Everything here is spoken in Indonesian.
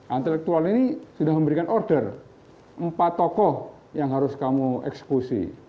intelektual ini sudah memberikan order empat tokoh yang harus kamu eksekusi